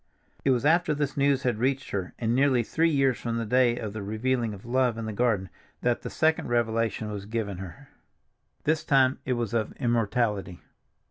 It was after this news had reached her, and nearly three years from the day of the revealing of love in the garden, that the second revelation was given her. This time it was of immortality.